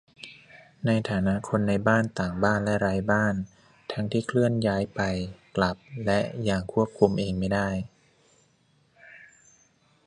ในฐานะคนในบ้าน ต่างบ้าน และไร้บ้าน ทั้งที่เคลื่อนย้ายไป กลับ และอย่างควบคุมเองไม่ได้